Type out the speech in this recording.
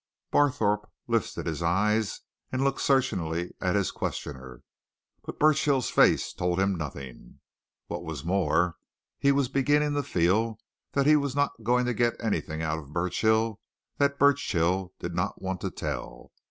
Barthorpe lifted his eyes and looked searchingly at his questioner. But Burchill's face told him nothing. What was more, he was beginning to feel that he was not going to get anything out of Burchill that Burchill did not want to tell.